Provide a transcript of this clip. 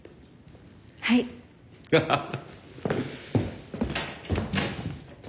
はい。ハハハ。